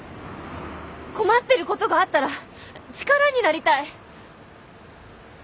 困ってることがあったら力になりたい。